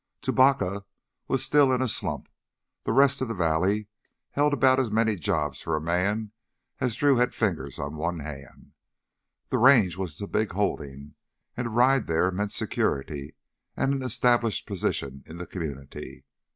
Tubacca was still in a slump; the rest of the valley held about as many jobs for a man as Drew had fingers on one hand. The Range was the big holding, and to ride there meant security and an established position in the community.